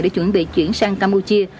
để chuẩn bị chuyển sang campuchia